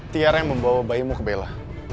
tiara yang membawa bayimu ke bella